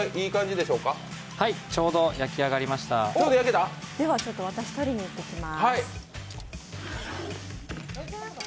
では私、取りにいってきます